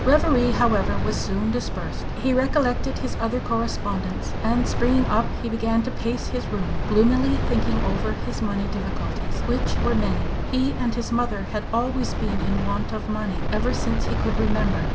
Reverie, however, was soon dispersed. He recollected his other correspondents, and springing up he began to pace his room, gloomily thinking over his money difficulties, which were many. He and his mother had always been in want of money ever since he could remember.